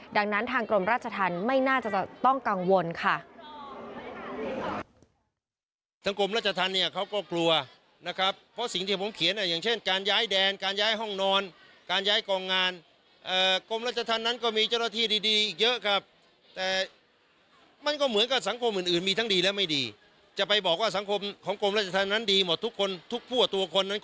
ดังนั้นทางกรมราชธรรมไม่น่าจะจะต้องกังวลค่ะ